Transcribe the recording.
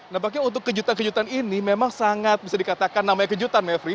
nampaknya untuk kejutan kejutan ini memang sangat bisa dikatakan namanya kejutan mevri